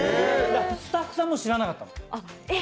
スタッフさんも知らなかったの。